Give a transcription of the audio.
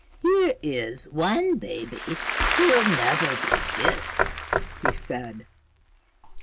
"Here is one baby who'll never be kissed," he said.